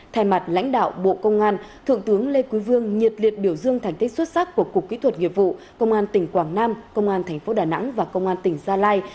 thay mặt lãnh đạo bộ công an thượng tướng lê quý vương nhiệt liệt biểu dương thành tích xuất sắc của cục kỹ thuật nghiệp vụ công an tỉnh quảng nam công an tp đà nẵng và công an tỉnh gia lai